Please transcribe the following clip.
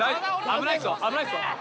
危ないっすよ